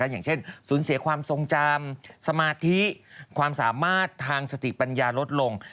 อย่างเช่นสูญเสียความทรงจำสมาธิความสามารถทางสติปัญญาลดลง